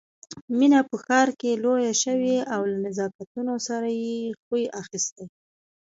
مينه په ښار کې لويه شوې او له نزاکتونو سره يې خوی اخيستی